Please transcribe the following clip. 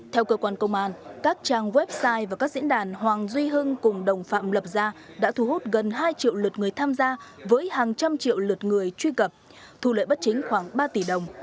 theo cơ quan công an các trang website và các diễn đàn hoàng duy hưng cùng đồng phạm lập ra đã thu hút gần hai triệu lượt người tham gia với hàng trăm triệu lượt người truy cập thu lợi bất chính khoảng ba tỷ đồng